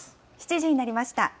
７時になりました。